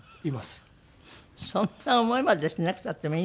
そんな思いまでしなくたってもいいのにね。